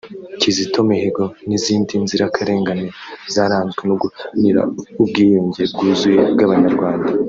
Kizito Mihigo n’izindi nzirakarengane zaranzwe no guharanira ubwiyunge bwuzuye bw’Abanyarwanda